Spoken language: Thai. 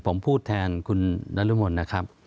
ผมพูดแทนคุณนรมนนะครับ